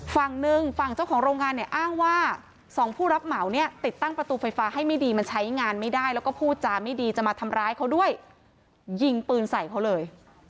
ฝั่งหนึ่งฝั่งเจ้าของโรงงานเนี่ย